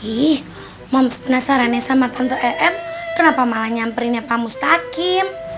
ih moms penasarannya sama tante em kenapa malah nyamperinnya pak mustaqim